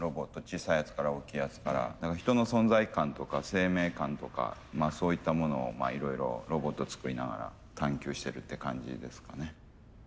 小さいやつから大きいやつから人の存在感とか生命感とかそういったものをいろいろロボットを作りながら探究してるって感じですかね。